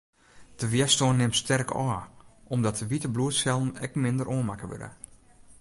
De wjerstân nimt sterk ôf, omdat de wite bloedsellen ek minder oanmakke wurde.